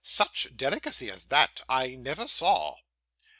'Such delicacy as that, I never saw!